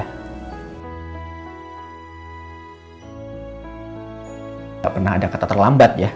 tidak pernah ada kata terlambat ya